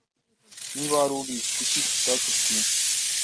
Niba wari ubizi, kuki utatubwiye?